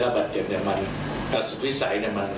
ก็แบบแล้วนะ